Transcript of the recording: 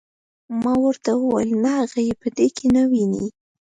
ما ورته وویل نه هغه یې په دې کې نه ویني.